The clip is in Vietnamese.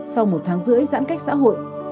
sau một tháng rưỡi giãn cách xã hội